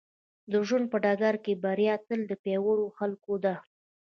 د ژوند په ډګر کې بريا تل د پياوړو خلکو ده.